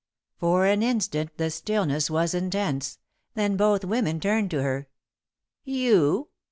For an instant the stillness was intense, then both women turned to her. "You!"